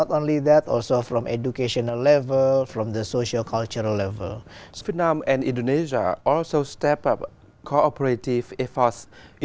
tôi nghĩ một điều mà tôi đã làm như tổ chức giá trị giá trị indonesia tại hà nội